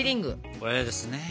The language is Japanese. これですね。